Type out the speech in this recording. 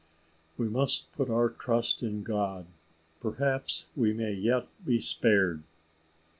We must put our trust in God: perhaps we may yet be spared."